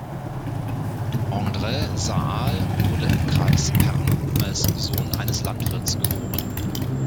Andres Saal wurde im Kreis Pärnu als Sohn eines Landwirts geboren.